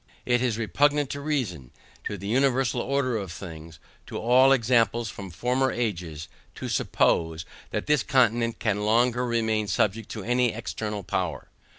It is repugnant to reason, to the universal order of things to all examples from former ages, to suppose, that this continent can longer remain subject to any external power.